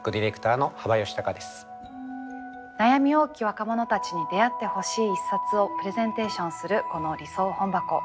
悩み多き若者たちに出会ってほしい一冊をプレゼンテーションするこの「理想本箱」。